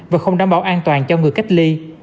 và không đảm bảo an toàn cho người cách ly